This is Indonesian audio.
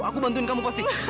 aku bantuin kamu kosti